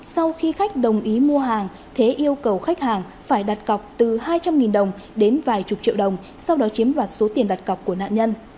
sau khi khách đồng ý mua hàng thế yêu cầu khách hàng phải đặt cọc từ hai trăm linh đồng đến vài chục triệu đồng sau đó chiếm đoạt số tiền đặt cọc của nạn nhân